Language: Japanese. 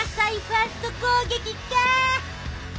ファースト攻撃か！？